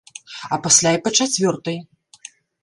А пасля і па чацвёртай!